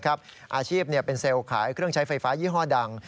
อาชีพเป็นเซลล์ขายเครื่องใช้ไฟฟ้ายี่ห้อดัง